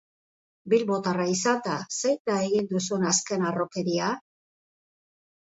Bilbotarra izanda, zein da egin duzun azken harrokeria?